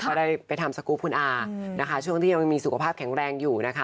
ก็ได้ไปทำสกรูปคุณอานะคะช่วงที่ยังมีสุขภาพแข็งแรงอยู่นะคะ